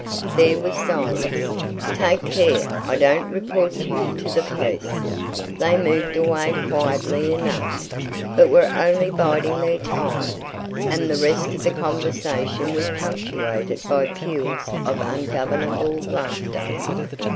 There was silence. "Take care I don't report you to the police." They moved away quietly enough, but were only biding their time, and the rest of the conversation was punctuated by peals of ungovernable laughter.